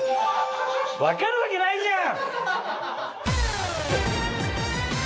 分かるわけないじゃん！